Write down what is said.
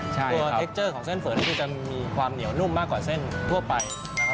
ตัวเทคเจอร์ของเส้นเฝอนี่คือจะมีความเหนียวนุ่มมากกว่าเส้นทั่วไปนะครับ